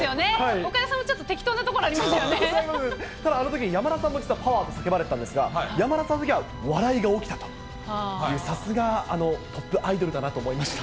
岡田さんもちょっと適当なとただ、あのとき、実は山田さんも実はパワーと叫ばれていたんですが、山田さんのときは笑いが起きたと、さすがトップアイドルだなと思いました。